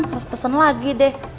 harus pesen lagi deh